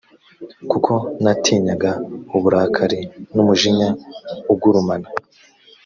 kuko natinyaga uburakari n umujinya ugurumana